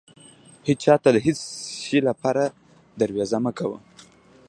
هيچا ته د هيڅ شې لپاره درويزه مه کوه.